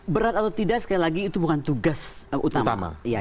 berat atau tidak sekali lagi itu bukan tugas utama